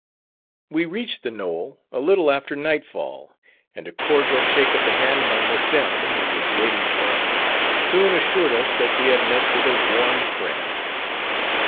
We reached "The Knoll" a little after nightfall, and a cordial shake of the hand by Miss M., who was waiting for us, soon assured us that we had met with a warm friend.